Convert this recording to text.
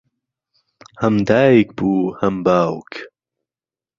ھەم دایک بوو ھەم باوک